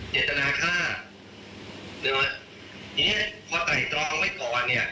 เจตนาค่านี่เนี่ยพอไตร่ตรองไม่ก่อนเนี่ย